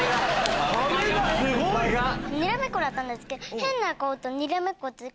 ⁉にらめっこだったんですけど。